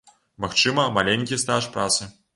Магчыма, маленькі стаж працы.